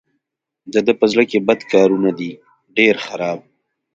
د ده په زړه کې بد کارونه دي ډېر خراب.